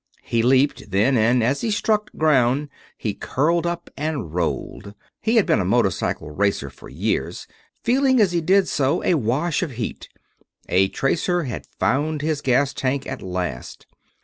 He leaped, then, and as he struck ground he curled up and rolled he had been a motorcycle racer for years feeling as he did so a wash of heat: a tracer had found his gas tank at last!